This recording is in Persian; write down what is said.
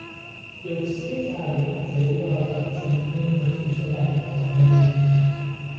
دی اکسید کربن جلو آزاد شدن اکسیژن در بافتها را میگیرد.